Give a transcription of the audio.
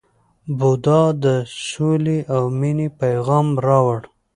بودا د سولې او مینې پیغام راوړ.